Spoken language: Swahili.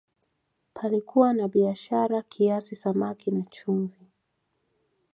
Palikuwa na biashara kiasi samaki na chumvi